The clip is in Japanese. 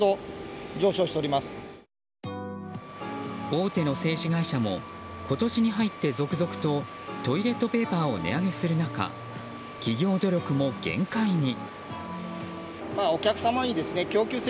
大手の製紙会社も今年に入って続々とトイレットペーパーを値上げする中、企業努力も限界に。